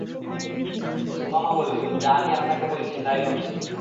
সুমামা বলল, যা আমি আপনাকে বলেছি তাই ভাবছি।